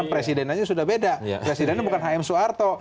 presiden aja sudah beda presidennya bukan hm soeharto